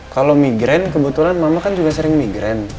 kalau migren kebetulan mama kan juga sering migren